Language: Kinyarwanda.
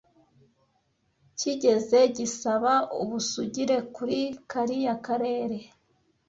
cyigeze gisaba ubusugire kuri kariya karere.